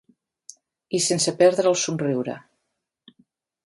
I sense perdre el somriure.